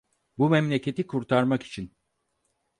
Bu memleketi kurtarmak için.